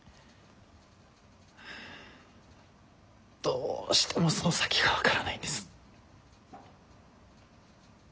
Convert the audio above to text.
どうしてもその先が分からないんです。